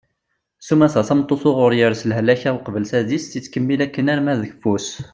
sumata tameṭṭut uɣur yers lehlak-a uqbel tadist yettkemmil akken arma d keffu-s